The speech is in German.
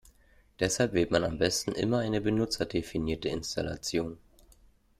Deshalb wählt man am besten immer eine benutzerdefinierte Installation.